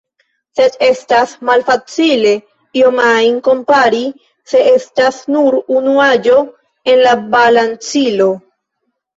Sed estas malfacile ion ajn kompari, se estas nur unu aĵo en la balancilo.